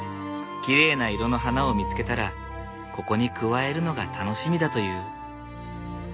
きれいな色の花を見つけたらここに加えるのが楽しみだという。